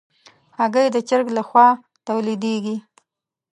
هګۍ د چرګ له خوا تولیدېږي.